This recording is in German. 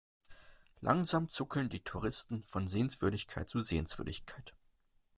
Langsam zuckeln die Touristen von Sehenswürdigkeit zu Sehenswürdigkeit.